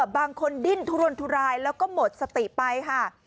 บางคนดิ้นทุรนทุรายแล้วก็หมดสติไปค่ะ